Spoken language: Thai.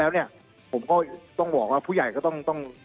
และก็ต้องบอกว่าผู้ใหญ่ก็ต้อง